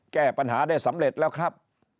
แก้ปัญหาได้สำเร็จแล้วครับ